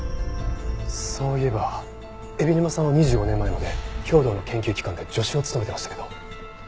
そういえば海老沼さんは２５年前まで兵働の研究機関で助手を務めていましたけど。